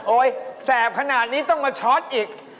แสบขนาดนี้ต้องมาช็อตอีก